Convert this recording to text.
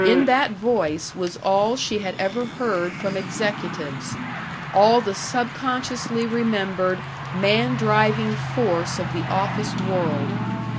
In that voice was all she had ever heard from executives; all the subconsciously remembered man driving force of the office world.